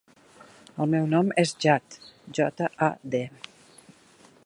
El meu nom és Jad: jota, a, de.